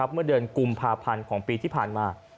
เมื่อเดือนกุมภาพันธ์ของปีที่ผ่านมา